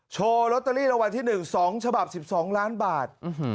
โชว์ลอตเตอรี่รางวัลที่หนึ่งสองฉบับสิบสองล้านบาท